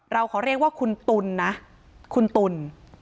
เราขอเรียกว่าคุณตุ๋นนะคุณตุ๋น